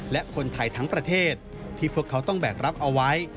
และคนไทยทั้งประเทศที่พวกเขาต้องแบกรับเอาไว้